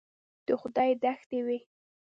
د خدای دښتې وې.